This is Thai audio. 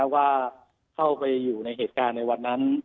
ว่าเข้าไปอยู่ในเหตุการณ์ในวันนั้น